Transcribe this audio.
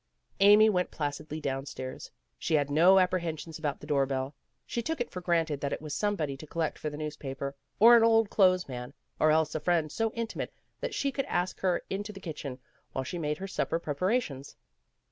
Amy went placidly downstairs. She had no apprehensions about the door bell. She took it for granted that it was somebody to collect for the newspaper, or an old clothes man, or else a friend so intimate that she could ask her into the kitchen while she made her supper prepara tions.